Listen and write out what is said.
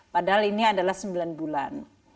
padahal ini adalah sembilan bulan